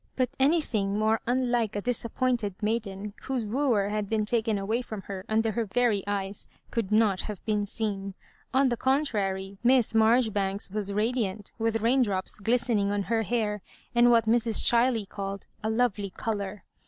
But anything more unlike a disappointed maiden, whose wooer had been taken away from her, under her very eyes, could not have been seen. On the contrary, Miss Marjoribanks was radiant, with rain drops glistening on her hair, and what Mrs. Chiley called " a lovely colour."